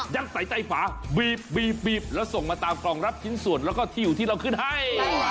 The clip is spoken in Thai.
ใส่ใต้ฝาบีบีบแล้วส่งมาตามกล่องรับชิ้นส่วนแล้วก็ที่อยู่ที่เราขึ้นให้